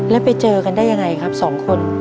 แล้วไปเจอกันได้ยังไงครับสองคน